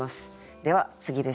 では次です。